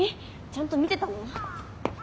ちゃんと見てたの？